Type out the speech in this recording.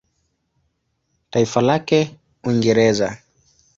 Taifa lake Uingereza.